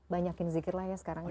banyakin zikir lah ya sekarang ya